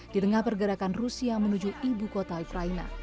di tengah pergerakan rusia menuju ibu kota ukraina